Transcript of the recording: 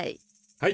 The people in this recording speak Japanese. はい。